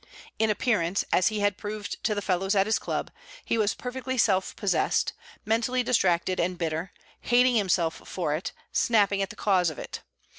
In appearance, as he had proved to the fellows at his Club, he was perfectly self possessed, mentally distracted and bitter, hating himself for it, snapping at the cause of it.